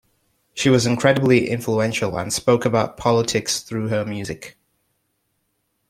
She was incredibly influential and spoke about politics through her music.